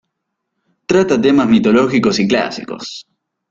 Trata temas mitológicos y clásicos.